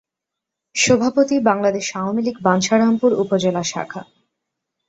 সভাপতি:বাংলাদেশ আওয়ামীলীগ বাঞ্ছারামপুর উপজেলা শাখা।